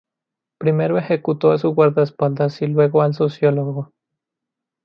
Primero ejecutó a su guardaespaldas y luego al sociólogo.